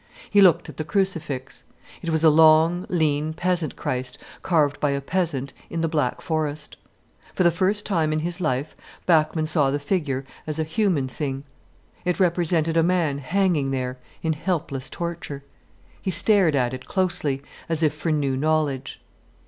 He looked at the crucifix. It was a long, lean, peasant Christ carved by a peasant in the Black Forest. For the first time in his life, Bachmann saw the figure as a human thing. It represented a man hanging there in helpless torture. He stared at it, closely, as if for new knowledge.